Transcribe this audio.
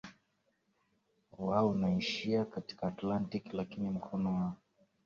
wa unaoishia katika Atlantiki Lakini mkono wa